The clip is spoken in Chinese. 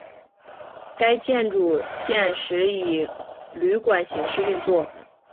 该建筑现时以旅馆形式运作。